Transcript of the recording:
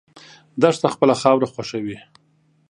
دښته خپله خاوره خوښوي.